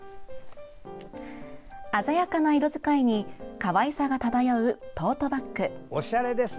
鮮やかな色使いにかわいさが漂うトートバッグ。